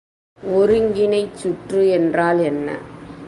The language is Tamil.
ஒருங்கிணைச்சுற்று என்றால் என்ன?